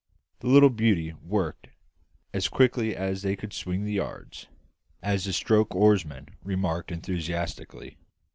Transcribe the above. The little beauty worked "as quick as they could swing the yards," as the stroke oarsman remarked enthusiastically.